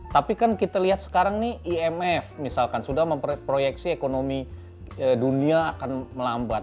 tapi kan kita lihat sekarang nih imf misalkan sudah memproyeksi ekonomi dunia akan melambat